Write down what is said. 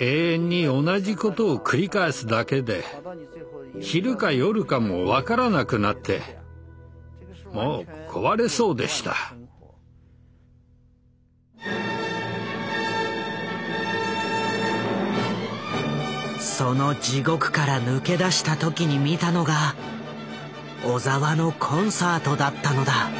永遠に同じことを繰り返すだけで昼か夜かも分からなくなってその地獄から抜け出した時に見たのが小澤のコンサートだったのだ。